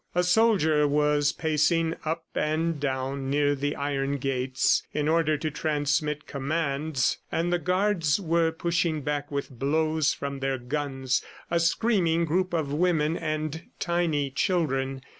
A soldier was pacing up and down near the iron gates in order to transmit commands, and the guards were pushing back with blows from their guns, a screaming group of women and tiny children.